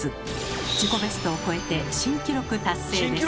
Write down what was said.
自己ベストを超えて新記録達成です。